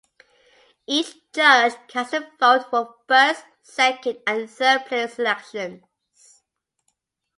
Each judge casts a vote for first, second and third place selections.